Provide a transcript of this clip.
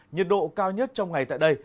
nhiệt độ cao nhất trong ngày tại đây